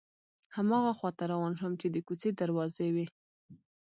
هماغه خواته روان شوم چې د کوڅې دروازې وې.